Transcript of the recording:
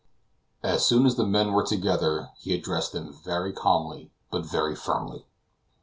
As soon as the men were together, he addressed them very calmly, but very firmly.